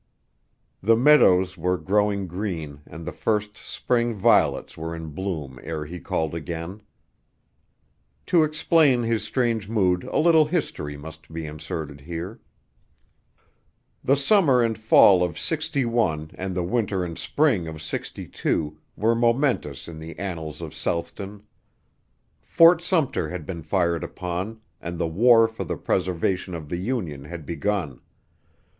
The meadows were growing green and the first spring violets were in bloom ere he called again. To explain his strange mood a little history must be inserted here. The summer and fall of '61 and the winter and spring of '62 were momentous in the annals of Southton. Fort Sumter had been fired upon, and the war for the preservation of the Union had begun.